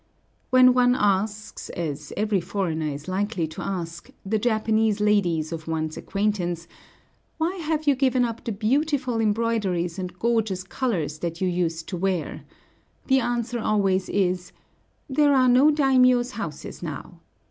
When one asks, as every foreigner is likely to ask, the Japanese ladies of one's acquaintance, "Why have you given up the beautiful embroideries and gorgeous colors that you used to wear?" the answer always is, "There are no daimiōs' houses now."